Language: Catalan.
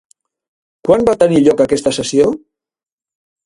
Quan va tenir lloc aquesta sessió?